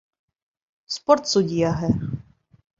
Спорт судьяһы.